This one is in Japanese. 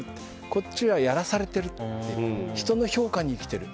こっちはやらされてる人の評価に生きてる。